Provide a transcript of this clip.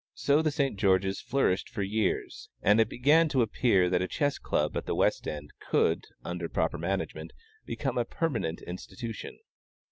So the St. George's flourished for years, and it began to appear that a Chess Club at the West End could, under proper management, become a permanent institution.